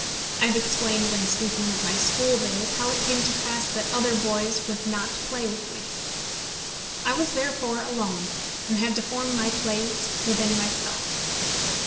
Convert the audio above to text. I have explained, when speaking of my school days, how it came to pass that other boys would not play with me. I was therefore alone, and had to form my plays within myself.